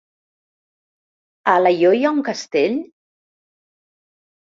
A Alaior hi ha un castell?